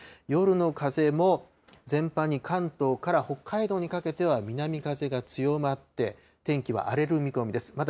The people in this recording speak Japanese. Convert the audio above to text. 夜の風も全般に関東から北海道にかけては南風が強まって、天気は荒れる見込みです。